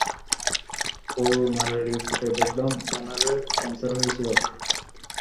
করোনারের রিপোর্টে দেখলাম, ব্র্যানেনের ক্যান্সার হয়েছিল!